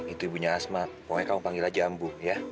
itu ibunya asmat pokoknya kamu panggil aja ambu ya